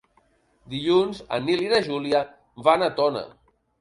Dilluns en Nil i na Júlia van a Tona.